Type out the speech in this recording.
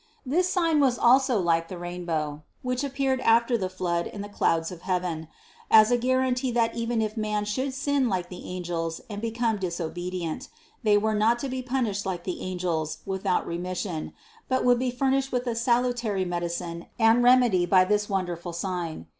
This sign was also like the rainbow, which appeared after the flood in the clouds of heaven, as a guarantee that even if men should sin like the angels and become disobedient, they were not to be punished like the angels without remis sion, but would be furnished with salutary medicine and 96 CITY OF GOD remedy by this wonderful sign.